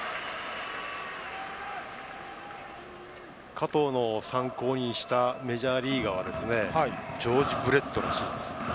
加藤が参考にしたメジャーリーガーはジョージ・ブレッドらしいです。